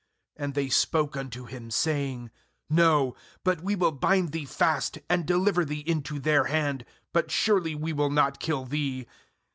"And they spoke unto him, saying: 'No; but we will bind thee fast, and deliver thee into their hand; but surely we will not kill thee.'